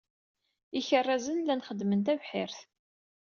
Ikerrazen llan xeddmen tabḥirt.